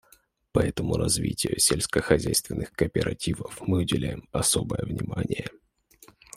Поэтому развитию сельскохозяйственных кооперативов мы уделяем особое внимание.